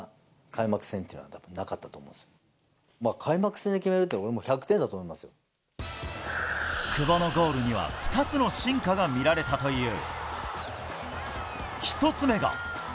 開幕戦で決めるって、俺はもう久保のゴールには、２つの進化が見られたという。